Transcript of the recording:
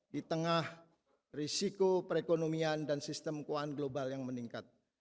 di tengah risiko perekonomian dan sistem keuangan global yang meningkat